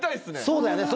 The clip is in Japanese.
そうだよね。